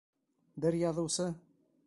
Бер яҙыусы: